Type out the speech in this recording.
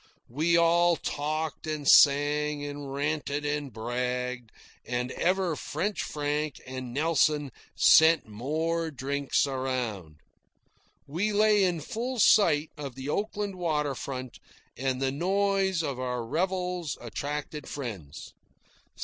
We all talked and sang and ranted and bragged, and ever French Frank and Nelson sent more drinks around. We lay in full sight of the Oakland water front, and the noise of our revels attracted friends.